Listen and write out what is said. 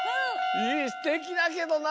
すてきだけどな。